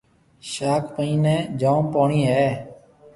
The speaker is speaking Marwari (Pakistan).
شاخ مئينَي جوم پوڻِي هيَ۔